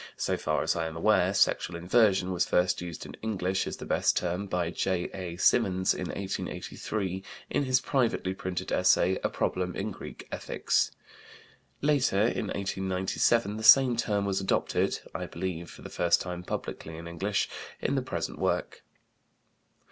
So far as I am aware, "sexual inversion" was first used in English, as the best term, by J.A. Symonds in 1883, in his privately printed essay, A Problem in Greek Ethics. Later, in 1897, the same term was adopted, I believe for the first time publicly in English, in the present work.